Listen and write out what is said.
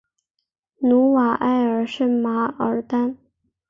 努瓦埃尔圣马尔坦。